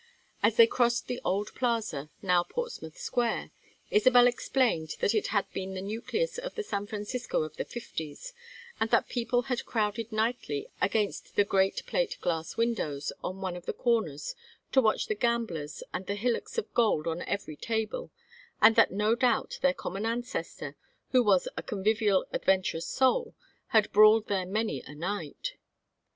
As they crossed the Old Plaza now Portsmouth Square Isabel explained that it had been the nucleus of the San Francisco of the Fifties, and that people had crowded nightly against the great plate glass windows on one of the corners to watch the gamblers and the hillocks of gold on every table; and that no doubt their common ancestor, who was a convivial adventurous soul, had brawled here many a night.